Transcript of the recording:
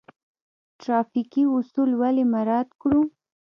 ټرافیکي اصول ولې مراعات کړو؟